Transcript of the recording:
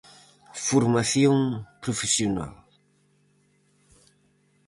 Formación profesional.